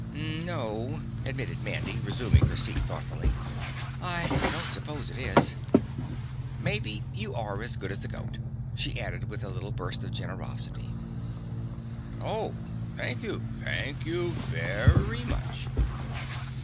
"No," admitted Mandy, resuming her seat thoughtfully, "I don't suppose it is. Maybe you are as good as a goat," she added with a little burst of generosity. "Oh, thank you! Thank you very much!"